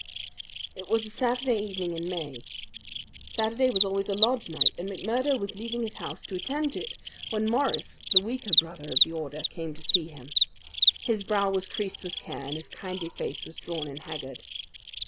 It was a Saturday evening in May. Saturday was always the lodge night, and McMurdo was leaving his house to attend it when Morris, the weaker brother of the order, came to see him. His brow was creased with care, and his kindly face was drawn and haggard.